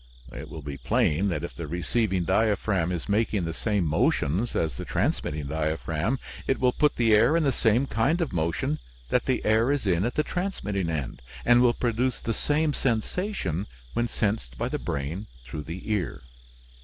It will be plain that if the receiving diaphragm is making the same motions as the transmitting diaphragm, it will put the air in the same kind of motion that the air is in at the transmitting end, and will produce the same sensation when sensed by the brain through the ear.